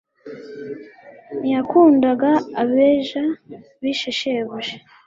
ntiyakundaga abega bishe shebuja